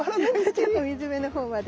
ちょっと水辺のほうまで。